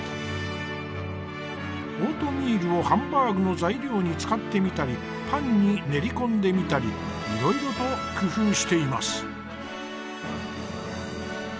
オートミールをハンバーグの材料に使ってみたりパンに練り込んでみたりいろいろと工夫しています。